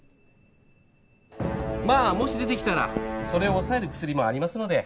まあもし出てきたらそれを抑える薬もありますので。